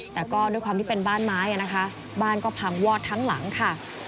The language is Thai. แต่ก็ด้วยความที่เป็นบ้านไม้นะคะบ้านก็พังวอดทั้งหลังค่ะ